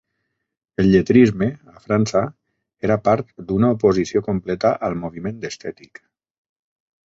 El lletrisme, a França, era part d'una oposició completa al moviment estètic.